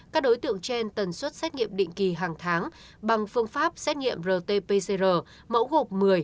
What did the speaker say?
các đối tượng trên tần suất xét nghiệm định kỳ hàng tháng bằng phương pháp xét nghiệm rt pcr mẫu gộp một mươi